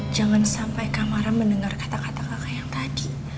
jangan sampai kak mara mendengar kata kata kak kay yang tadi